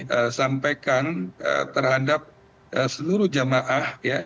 selalu kami sampaikan terhadap seluruh jemaah ya